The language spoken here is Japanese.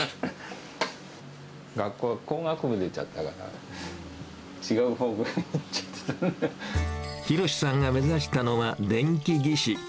学校、工学部出ちゃったから、博さんが目指したのは、電気技師。